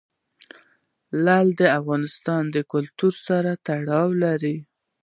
لعل د افغان کلتور سره تړاو لري.